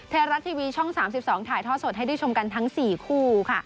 เทรารัสทีวีช่อง๓๒ถ่ายทอดสดให้ด้วยชมกันทั้ง๔คู่